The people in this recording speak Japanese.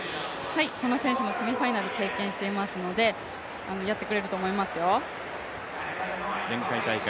この選手もセミファイナル経験していますので、やってくれると思いますよ。